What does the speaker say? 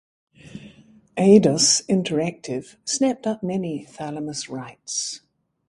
Eidos Interactive snapped up many Thalamus rights.